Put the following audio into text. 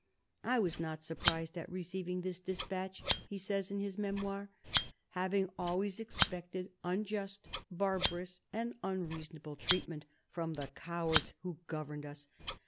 " I was not surprised at receiving this despatch," he says in his Memoirs, " having always expected unjust, barbarous and unreasonable treatment from the cowards who governed us.